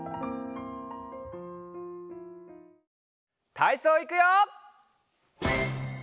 たいそういくよ！